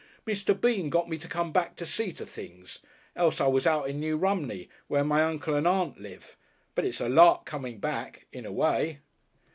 "Mr. Bean got me to come back to see to things. Else I was out in New Romney, where my Uncle and Aunt live. But it's a Lark coming back. In a way...."